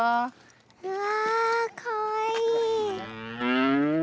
うわかわいい。